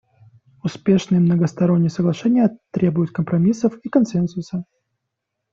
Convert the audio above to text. Успешные многосторонние соглашения требуют компромиссов и консенсуса.